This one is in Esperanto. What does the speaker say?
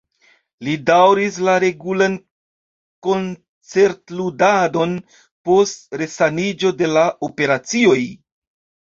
Li daŭris la regulan koncertludadon post resaniĝo de la operacioj.